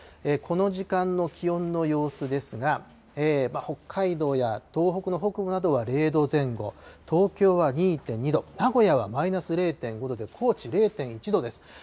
この時間の気温の様子ですが、北海道や東北の北部などは０度前後、東京は２．２度、名古屋はマイナス０．５度で、高知０．１度です。